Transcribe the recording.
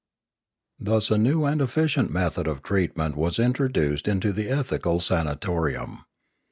Thus a new and efficient method of treatment was introduced into the ethical sanatorium.